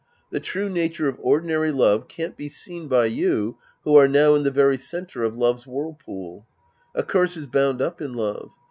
The true nature of ordinary love can't be seen by you who are now in the very center of love's whirlpool. A curse is bound up in love.